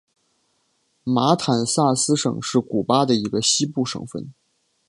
马坦萨斯省是古巴的一个西部省份。